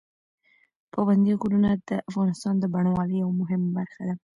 پابندي غرونه د افغانستان د بڼوالۍ یوه مهمه برخه ده.